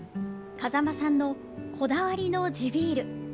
風間さんのこだわりの地ビール。